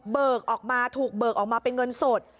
ออกมาถูกเบิกออกมาเป็นเงินสด